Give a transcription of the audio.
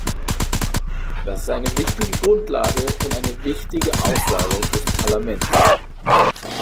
Das ist eine wichtige Grundlage und eine wichtige Aussage des Parlaments.